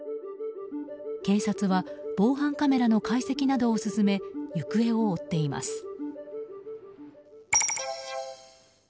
警察は防犯カメラの解析などを進め行方を追っています。